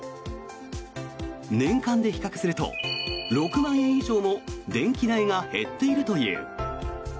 年間で比較すると６万円以上も電気代が減っているという。